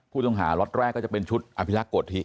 ผู้ต้องหาล็อตแรกก็จะเป็นชุดอภิรักษ์โกธิ